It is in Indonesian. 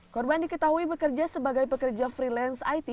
korban diketahui bekerja sebagai pekerja freelance it